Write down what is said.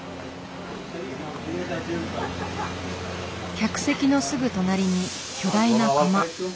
客席のすぐ隣に巨大な釜。